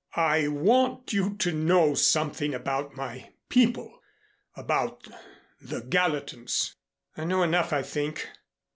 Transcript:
"I want you to know something about my people about the Gallatins " "I know enough, I think."